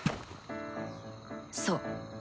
そう。